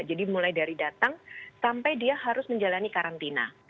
jadi mulai dari datang sampai dia harus menjalani karantina